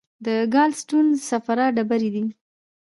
د ګال سټون د صفرا ډبرې دي.